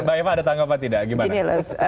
mbak eva ada tanggapan tidak gimana